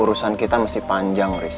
urusan kita masih panjang